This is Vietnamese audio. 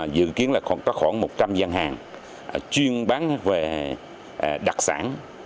dự kiến là có khoảng một trăm linh gian hàng chuyên bán về đặc sản